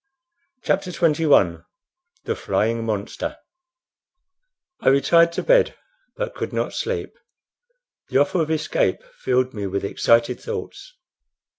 CHAPTER XXI THE FLYING MONSTER I retired to bed, but could not sleep. The offer of escape filled me with excited thoughts.